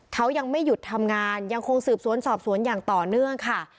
เขายังไม่หยุดทำงานยังคงสืบสวนสอบสวนอย่างต่อเนื่องค่ะ